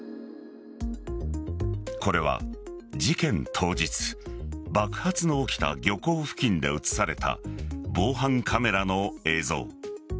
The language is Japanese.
これは事件当日爆発の起きた漁港付近で映された防犯カメラの映像。